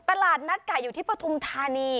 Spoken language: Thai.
ตลาดนัดไก่อยู่ที่ปฐุมธานี